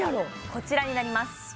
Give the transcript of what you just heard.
こちらになります